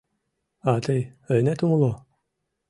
— А тый ынет умыло.